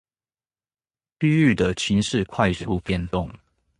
區域的情勢快速變動